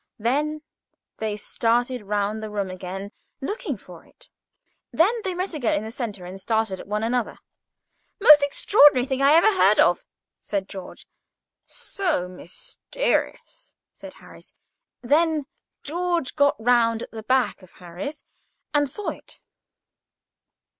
Then they started round the room again looking for it; and then they met again in the centre, and stared at one another. "Most extraordinary thing I ever heard of," said George. "So mysterious!" said Harris. Then George got round at the back of Harris and saw it.